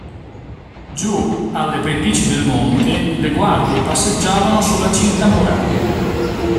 Giù, alle pendici del monte, le guardie passeggiavano sulla cinta muraria.